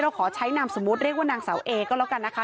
ขอใช้นามสมมุติเรียกว่านางเสาเอก็แล้วกันนะคะ